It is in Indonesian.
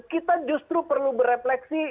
kita justru perlu berefleksi